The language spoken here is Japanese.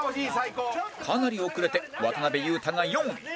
かなり遅れて渡辺裕太が４位